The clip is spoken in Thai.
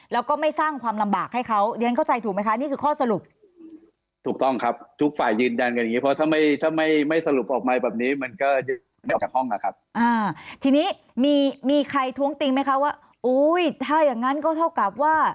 แล้วก็ไม่สร้างความลำบากให้เขาเรียกรับเข้าใจถูกไหมคะข้อสรุป